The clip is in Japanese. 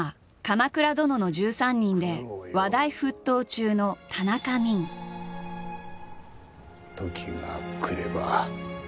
「鎌倉殿の１３人」で話題沸騰中の時が来れば。